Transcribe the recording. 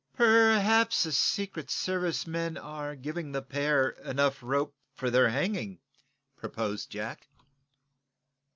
"Perhaps the Secret Service man are giving the pair enough rope for their hanging," proposed Jack.